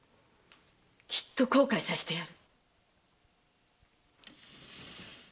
きっと後悔させてやる！